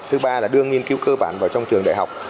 thứ ba là đưa nghiên cứu cơ bản vào trong trường đại học